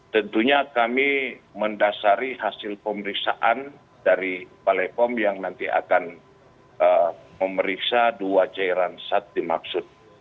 tentunya kami mendasari hasil pemeriksaan dari balai pom yang nanti akan memeriksa dua cairan sat dimaksud